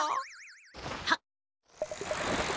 はっ。